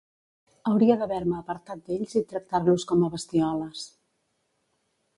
Hauria d'haver-me apartat d'ells i tractar-los com a bestioles.